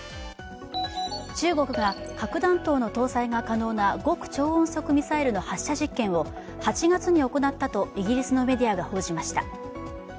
中国が核弾頭の搭載が可能な極超音速ミサイルの発射実験を８月に行ったとイギリスのメディアが報じました。